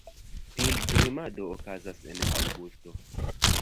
Pilgrimado okazas en aŭgusto.